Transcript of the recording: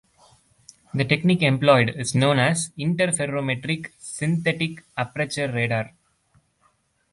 The technique employed is known as interferometric synthetic aperture radar.